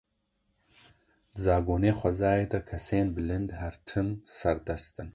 Di zagonê xwezayê de kesên bilind her tim serdest in.